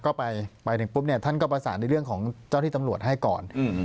ก็ไปถึงปุ๊บเนี่ยท่านก็ประสานในเรื่องของเจ้าที่ตำรวจให้ก่อน